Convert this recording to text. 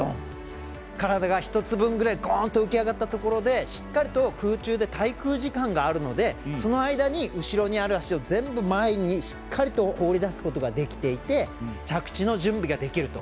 体が１つ分ぐらいゴーンと引き上がったところでしっかりと空中で滞空時間があるのでその間に、後ろにある足を全部前にしっかりと放り出すことができて着地の準備ができると。